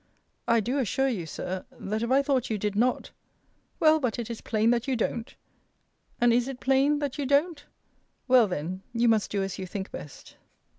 I do assure you, Sir, that if I thought you did not Well, but it is plain that you don't! And is it plain that you don't? Well, then, you must do as you think best.